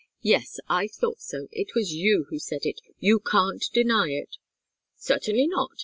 Yes I thought so it was you who said it. You can't deny it." "Certainly not!"